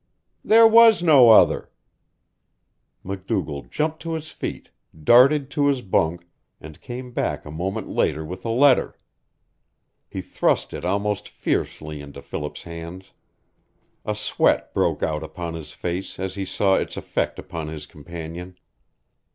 "There was no other!" MacDougall jumped to his feet, darted to his bunk, and came back a moment later with a letter. He thrust it almost fiercely into Philip's hands. A sweat broke out upon his face as he saw its effect upon his companion.